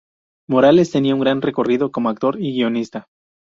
Morales tenía un gran recorrido como actor y guionista.